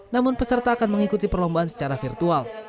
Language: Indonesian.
namun peserta akan mengikuti perlombaan secara virtual